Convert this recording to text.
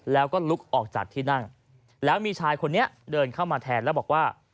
แล้วก็ลุกออกจากที่นั่งแล้วมีชายคนนี้เดินเข้ามาแทนแล้วบอกว่า